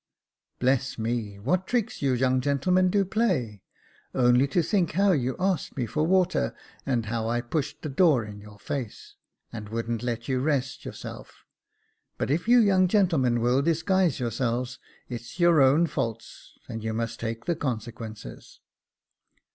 " Bless me ! what tricks you young gentlemen do play. Only to think how yt>u asked me for water, and how I pushed the door in your face, and wouldn't let you rest yourself. But if you young gentlemen will disguise your selves, it's your own faults, and you must take the consequences."